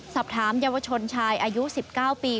สอบถามเยาวชนชายอายุ๑๙ปี